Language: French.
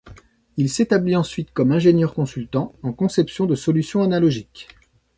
Il s'établit ensuite comme ingénieur consultant en conception de solutions analogiques.